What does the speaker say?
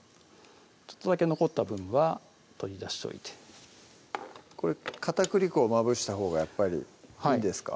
ちょっとだけ残った分は取り出しといてこれ片栗粉をまぶしたほうがやっぱりいいんですか？